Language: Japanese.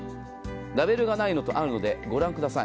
ラベルがないのとあるのとでご覧ください。